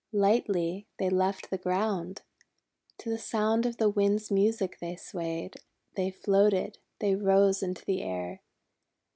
Lightly they left the ground. To the sound of the Wind's music they swayed, they floated, they rose into the air.